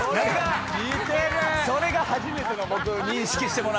それが初めての僕認識してもらった。